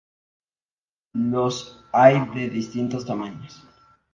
Los hay de distintos tamaños.